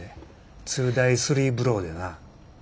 ２ダイ３ブローでな。